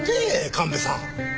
神戸さん。